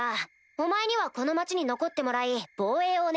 お前にはこの町に残ってもらい防衛をお願いしたい。